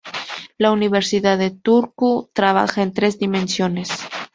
La Universidad de Turku trabaja en tres dimensiones.